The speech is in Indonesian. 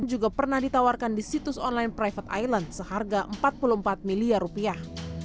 juga pernah ditawarkan di situs online private island seharga empat puluh empat miliar rupiah